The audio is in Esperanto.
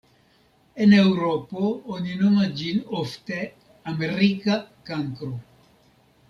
En Eŭropo oni nomas ĝin ofte "Amerika kankro".